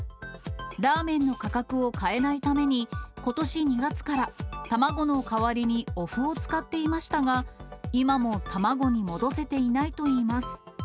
ラーメンの価格を変えないために、ことし２月から卵の代わりにおふを使っていましたが、今も卵に戻せていないといいます。